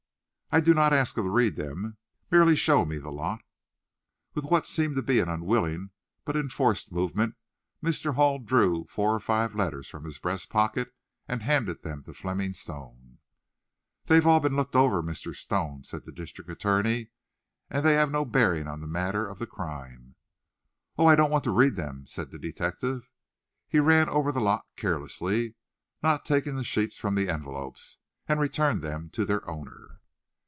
"I do not ask to read them. Merely show me the lot." With what seemed to be an unwilling but enforced movement, Mr. Hall drew four or five letters from his breast pocket and handed them to Fleming Stone. "They've all been looked over, Mr. Stone," said the district attorney; "and they have no bearing on the matter of the crime." "Oh, I don't want to read them," said the detective. He ran over the lot carelessly, not taking the sheets from the envelopes, and returned them to their owner.